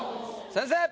先生！